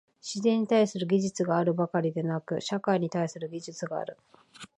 自然に対する技術があるばかりでなく、社会に対する技術がある。